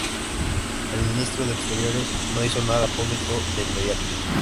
El Ministerio de Exteriores no hizo nada público de inmediato.